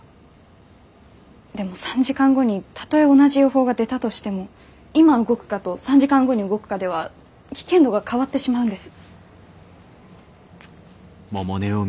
でも３時間後にたとえ同じ予報が出たとしても今動くかと３時間後に動くかでは危険度が変わってしまうんです。